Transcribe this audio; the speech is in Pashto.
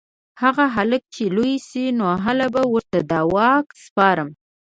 هغه هلک چې لوی شي نو هله به ورته دا واک سپارم